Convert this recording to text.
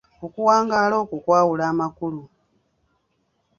Okuwangaala okwo kwawula amakulu.